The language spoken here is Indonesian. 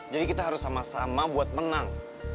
jadi kita harus sama sama buat menang